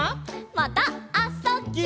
また「あ・そ・」。「ぎゅ」